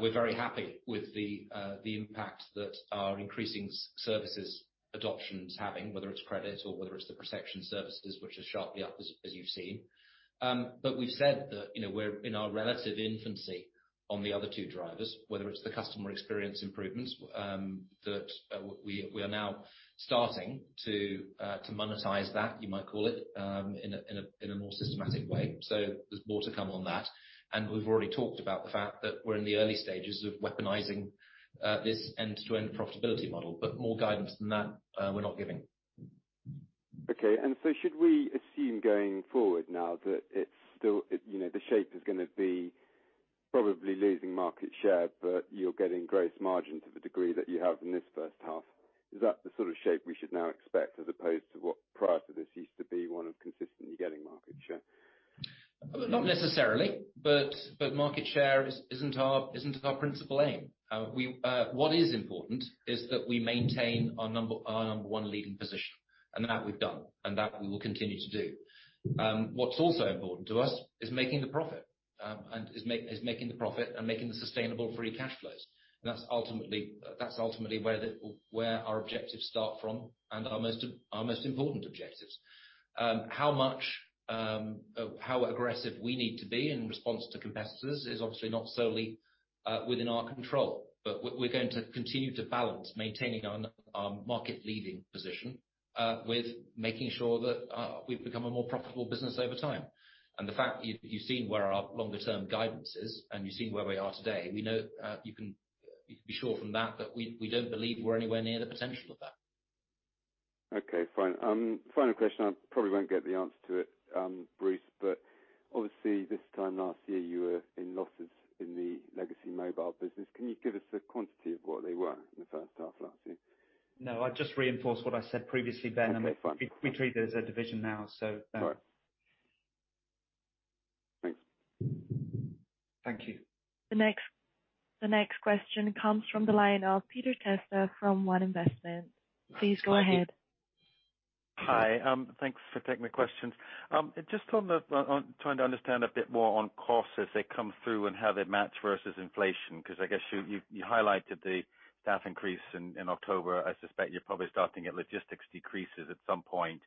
We're very happy with the impact that our increasing services adoption is having, whether it's credit or whether it's the protection services which are sharply up, as you've seen. We've said that, you know, we're in our relative infancy on the other two drivers, whether it's the customer experience improvements, that we are now starting to monetize that, you might call it, in a, in a, in a more systematic way. There's more to come on that. We've already talked about the fact that we're in the early stages of weaponizing, this end-to-end profitability model. More guidance than that, we're not giving. Okay. Should we assume going forward now that it's still, you know, the shape is gonna be probably losing market share, but you're getting gross margin to the degree that you have in this first half. Is that the sort of shape we should now expect as opposed to what prior to this used to be one of consistently getting market share? Not necessarily, but market share isn't our principal aim. What is important is that we maintain our number one leading position, and that we've done and that we will continue to do. What's also important to us is making the profit and making the sustainable free cash flows. That's ultimately where our objectives start from and our most important objectives. How aggressive we need to be in response to competitors is obviously not solely within our control. We're going to continue to balance maintaining our market leading position, with making sure that we've become a more profitable business over time. The fact you've seen where our longer term guidance is and you've seen where we are today, we know, you can be sure from that we don't believe we're anywhere near the potential of that. Okay, fine. Final question. I probably won't get the answer to it, Bruce, but obviously this time last year you were in losses in the legacy mobile business. Can you give us a quantity of what they were in the first half last year? No, I just reinforce what I said previously, Ben. Okay, fine. We treat it as a division now, so. All right. Thanks. Thank you. The next question comes from the line of Peter Testa from One Investments. Please go ahead. Hi. Thanks for taking the questions. Just on trying to understand a bit more on costs as they come through and how they match versus inflation, I guess you highlighted the staff increase in October. I suspect you're probably starting at logistics decreases at some point.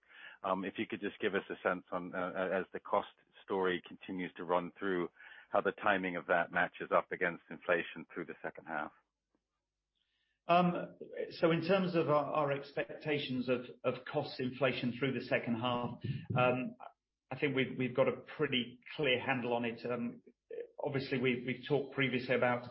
If you could just give us a sense on as the cost story continues to run through, how the timing of that matches up against inflation through the second half. In terms of our expectations of cost inflation through the second half. I think we've got a pretty clear handle on it. Obviously we've talked previously about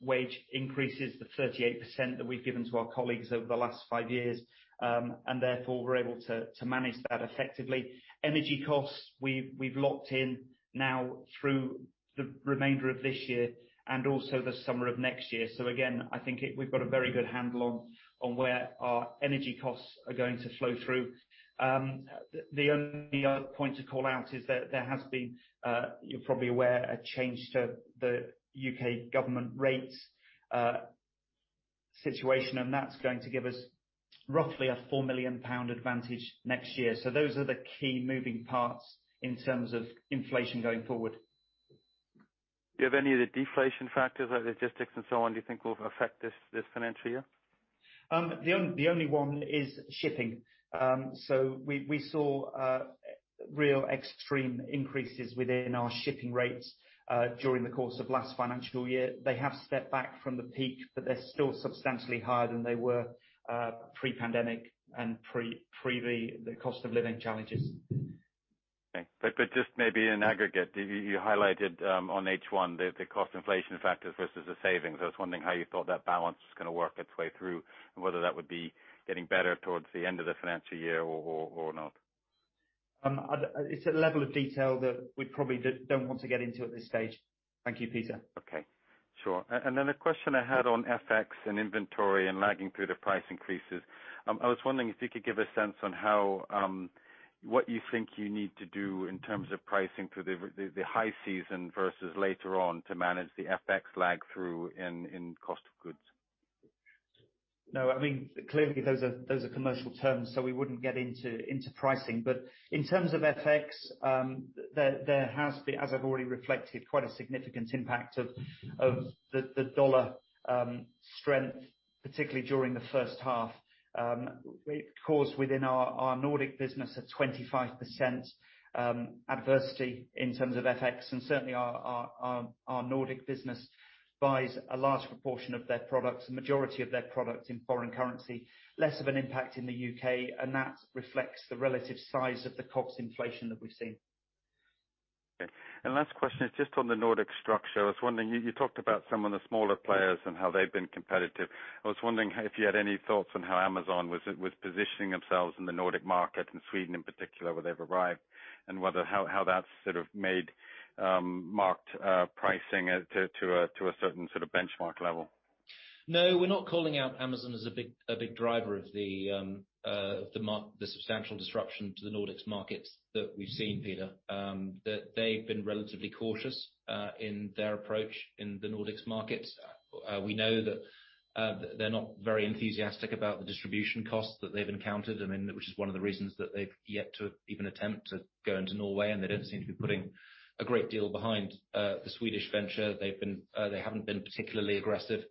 wage increases, the 38% that we've given to our colleagues over the last five years, and therefore we're able to manage that effectively. Energy costs, we've locked in now through the remainder of this year and also the summer of next year. Again, I think we've got a very good handle on where our energy costs are going to flow through. The only other point to call out is that there has been, you're probably aware, a change to the UK government rates situation, and that's going to give us roughly a 4 million pound advantage next year. Those are the key moving parts in terms of inflation going forward. Do you have any of the deflation factors like logistics and so on, do you think will affect this financial year? The only one is shipping. We saw real extreme increases within our shipping rates during the course of last financial year. They have stepped back from the peak, but they're still substantially higher than they were pre-pandemic and pre the cost of living challenges. Okay. Just maybe in aggregate, you highlighted, on H1 the cost inflation factors versus the savings. I was wondering how you thought that balance was going to work its way through and whether that would be getting better towards the end of the financial year or not. It's a level of detail that we probably don't want to get into at this stage. Thank you, Peter. Okay, sure. Then a question I had on FX and inventory and lagging through the price increases, I was wondering if you could give a sense on how what you think you need to do in terms of pricing through the high season versus later on to manage the FX lag through in cost of goods? No. I mean, clearly those are commercial terms, we wouldn't get into pricing. In terms of FX, there has been, as I've already reflected, quite a significant impact of the dollar strength, particularly during the first half. It caused within our Nordic business a 25% adversity in terms of FX and certainly our Nordic business buys a large proportion of their products, the majority of their products in foreign currency. Less of an impact in the U.K., that reflects the relative size of the COGS inflation that we've seen. Last question is just on the Nordic structure. I was wondering, you talked about some of the smaller players and how they've been competitive. I was wondering if you had any thoughts on how Amazon was positioning themselves in the Nordic market, in Sweden in particular, where they've arrived, and whether how that's sort of made marked pricing at to a certain sort of benchmark level? We're not calling out Amazon as a big driver of the substantial disruption to the Nordics markets that we've seen, Peter Testa. They've been relatively cautious in their approach in the Nordics markets. We know that they're not very enthusiastic about the distribution costs that they've encountered and then, which is one of the reasons that they've yet to even attempt to go into Norway, and they don't seem to be putting a great deal behind the Swedish venture. They haven't been particularly aggressive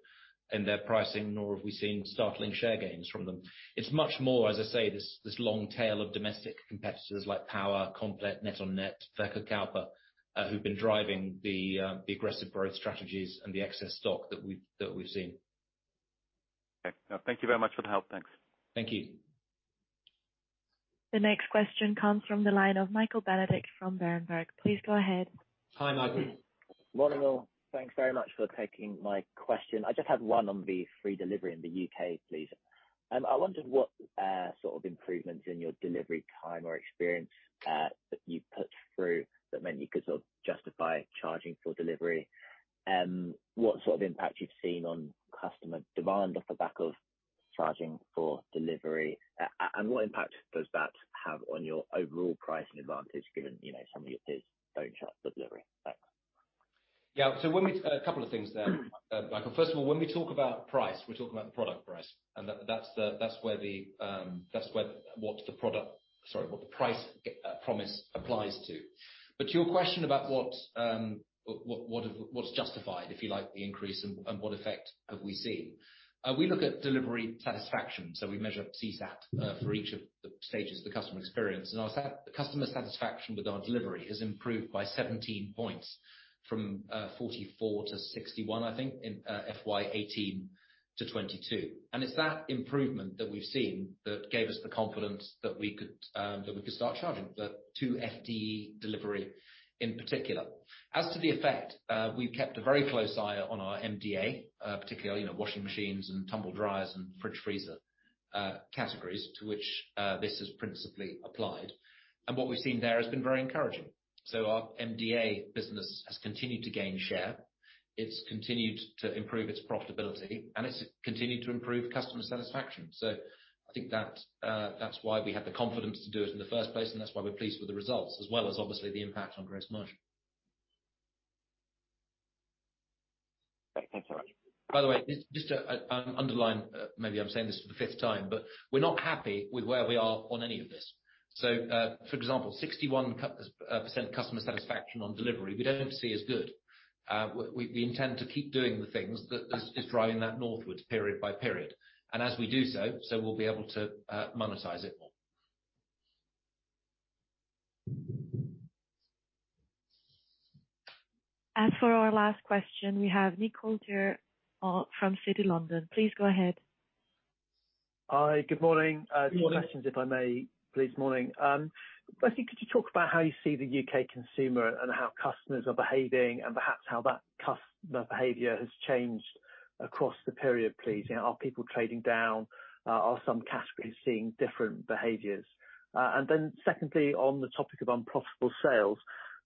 in their pricing, nor have we seen startling share gains from them. It's much more, as I say, this long tail of domestic competitors like Power, Komplett, NetOnNet, Verkkokauppa.com, who've been driving the aggressive growth strategies and the excess stock that we've seen. Okay. No, thank you very much for the help. Thanks. Thank you. The next question comes from the line of Michael Benedict from Berenberg. Please go ahead. Hi, Michael. Morning, all. Thanks very much for taking my question. I just had one on the free delivery in the UK, please. I wondered what sort of improvements in your delivery time or experience that you put through that meant you could sort of justify charging for delivery? What sort of impact you've seen on customer demand off the back of charging for delivery? What impact does that have on your overall pricing advantage given, you know, some of your peers don't charge for delivery? Thanks. A couple of things there, Michael. First of all, when we talk about price, we're talking about the product price, and that-that's the, that's where the, that's where, what the product, sorry, what the price promise applies to. To your question about what's justified, if you like, the increase and what effect have we seen, we look at delivery satisfaction, so we measure CSAT for each of the stages of the customer experience. Our customer satisfaction with our delivery has improved by 17 points from 44 to 61, I think, in FY 2018 to FY 2022. It's that improvement that we've seen that gave us the confidence that we could, that we could start charging the, two FD delivery in particular. As to the effect, we've kept a very close eye on our MDA, particularly, you know, washing machines and tumble dryers and fridge freezer categories to which this is principally applied. What we've seen there has been very encouraging. Our MDA business has continued to gain share. It's continued to improve its profitability, and it's continued to improve customer satisfaction. I think that that's why we had the confidence to do it in the first place, and that's why we're pleased with the results, as well as obviously the impact on gross margin. Okay, thanks very much. By the way, just to underline, maybe I'm saying this for the fifth time, We're not happy with where we are on any of this. For example, 61% customer satisfaction on delivery, we don't see as good. We intend to keep doing the things that is driving that northwards period by period. As we do so, we'll be able to monetize it more. As for our last question, we have Nick Coulter, from Citi. Please go ahead. Hi. Good morning. Morning. Two questions, if I may, please. Morning. Firstly, could you talk about how you see the U.K. consumer and how customers are behaving and perhaps how that customer behavior has changed across the period, please? You know, are people trading down? Are some categories seeing different behaviors? Secondly, on the topic of unprofitable sales,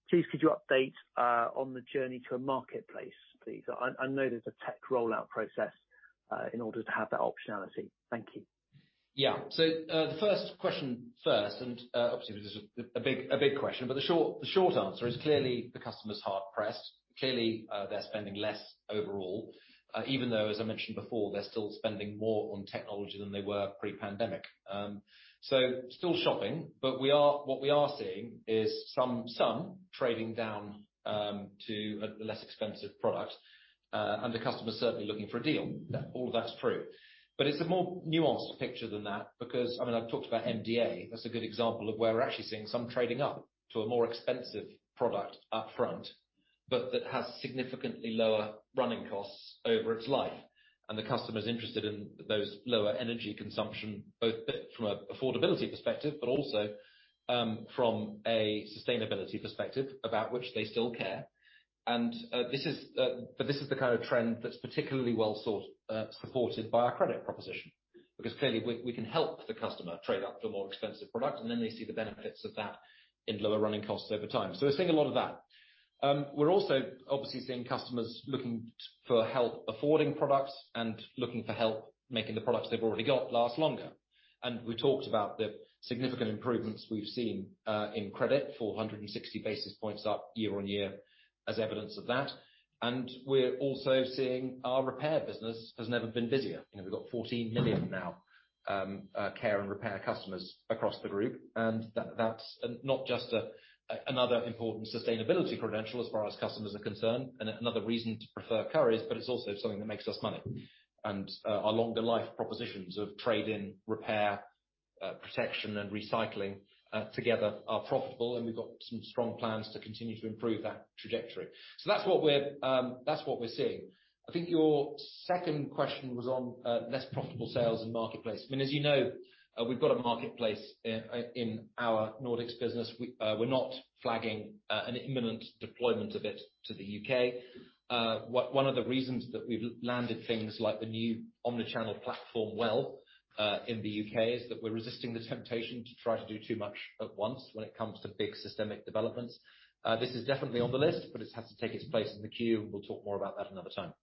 please could you update on the journey to a marketplace, please? I know there's a tech rollout process in order to have that optionality. Thank you. The first question first, and obviously this is a big question, but the short answer is clearly the customer's hard pressed. Clearly, they're spending less overall, even though, as I mentioned before, they're still spending more on technology than they were pre-pandemic. Still shopping, but what we are seeing is some trading down to a less expensive product, and the customer certainly looking for a deal. All of that's true. It's a more nuanced picture than that because, I mean, I've talked about MDA. That's a good example of where we're actually seeing some trading up to a more expensive product up front, but that has significantly lower running costs over its life. The customer's interested in those lower energy consumption, both from an affordability perspective, but also, from a sustainability perspective about which they still care. This is, but this is the kind of trend that's particularly well supported by our credit proposition, because clearly we can help the customer trade up to a more expensive product, and then they see the benefits of that in lower running costs over time. We're seeing a lot of that. We're also obviously seeing customers looking for help affording products and looking for help making the products they've already got last longer. We talked about the significant improvements we've seen in credit, 460 basis points up year-on-year as evidence of that. We're also seeing our repair business has never been busier. You know, we've got 14 million now, care and repair customers across the group, and that's not just another important sustainability credential as far as customers are concerned and another reason to prefer Currys, but it's also something that makes us money. Our longer life propositions of trade-in, repair, protection and recycling together are profitable, and we've got some strong plans to continue to improve that trajectory. That's what we're seeing. I think your second question was on less profitable sales and marketplace. As you know, we've got a marketplace in our Nordics business. We're not flagging an imminent deployment of it to the UK. One of the reasons that we've landed things like the new omnichannel platform well, in the UK, is that we're resisting the temptation to try to do too much at once when it comes to big systemic developments. This is definitely on the list, but it has to take its place in the queue, and we'll talk more about that another time.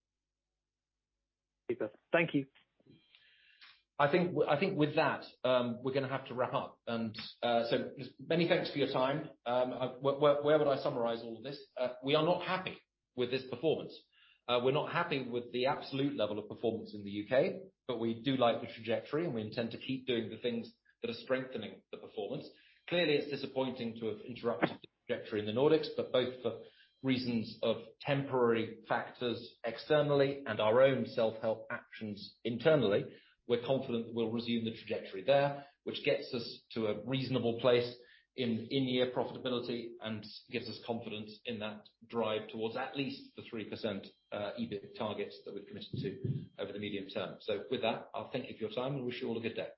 Okay. Thank you. I think with that, we're gonna have to wrap up. Just many thanks for your time. Where would I summarize all of this? We are not happy with this performance. We're not happy with the absolute level of performance in the UK. We do like the trajectory, and we intend to keep doing the things that are strengthening the performance. Clearly, it's disappointing to have interrupted the trajectory in the Nordics. Both for reasons of temporary factors externally and our own self-help actions internally, we're confident we'll resume the trajectory there, which gets us to a reasonable place in in-year profitability and gives us confidence in that drive towards at least the 3% EBIT targets that we've committed to over the medium term. With that, I'll thank you for your time and wish you all a good day.